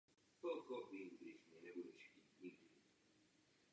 Proto jsem hlasovala proti některým pozměňovacím návrhům.